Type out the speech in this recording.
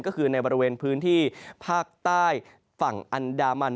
ก็คือในบริเวณพื้นที่ภาคใต้ฝั่งอันดามัน